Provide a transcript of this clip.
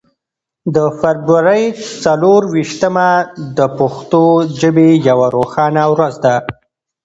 د فبرورۍ څلور ویشتمه د پښتو ژبې یوه روښانه ورځ ده.